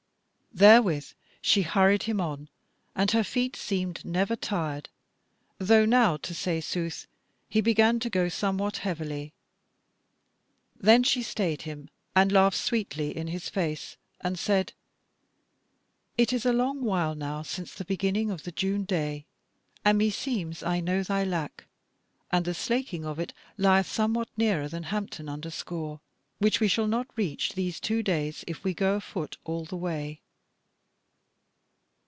Therewith she hurried him on, and her feet seemed never tired, though now, to say sooth, he began to go somewhat heavily. Then she stayed him, and laughed sweetly in his face, and said: "It is a long while now since the beginning of the June day, and meseems I know thy lack, and the slaking of it lieth somewhat nearer than Hampton under Scaur, which we shall not reach these two days if we go afoot all the way."